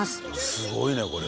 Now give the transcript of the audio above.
すごいねこれ。